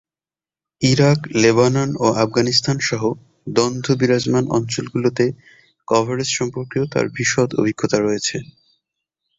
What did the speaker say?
Iraq, Lebanon ও আফগানিস্তান সহ দ্বন্দ্ব বিরাজমান অঞ্চলগুলোতে কভারেজ সম্পর্কেও তাঁর বিশদ অভিজ্ঞতা রয়েছে।